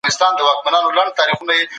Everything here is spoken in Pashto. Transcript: که جګړه پای ته ورسیږي اقتصاد به وده وکړي.